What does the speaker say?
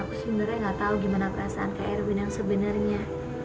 aku sebenernya gak tau gimana perasaan kak erwin yang sebenernya